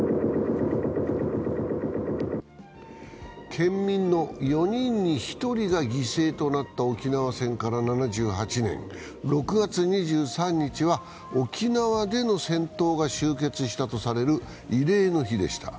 県民の４人に１人が犠牲となった沖縄戦から７８年、６月２３日は沖縄での戦闘が終結したとされる慰霊の日でした。